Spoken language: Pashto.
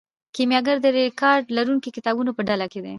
کیمیاګر د ریکارډ لرونکو کتابونو په ډله کې دی.